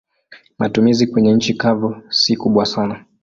Matumizi kwenye nchi kavu si kubwa sana.